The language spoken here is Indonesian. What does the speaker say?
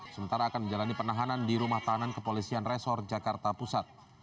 sementara akan menjalani penahanan di rumah tahanan kepolisian resor jakarta pusat